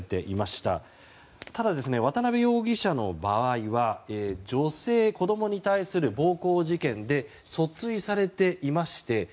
ただ、渡邉容疑者の場合は女性・子供に対する暴行事件で訴追されていまして。